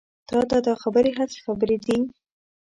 تا ته دا خبرې هسې خبرې دي.